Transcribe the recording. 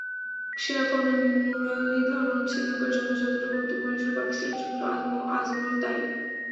সেরা ফর্মের মুরালিধরন শ্রীলঙ্কার জন্য যতটা গুরুত্বপূর্ণ ছিলেন, পাকিস্তানের জন্য আজমলও তা-ই।